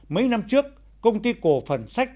mấy năm trước công ty cổ phần sách